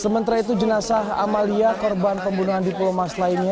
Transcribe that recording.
sementara itu jenazah amalia korban pembunuhan diplomas lainnya